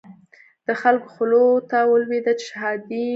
د خلکو خولو ته ولويده چې شهادي ناسنته وو.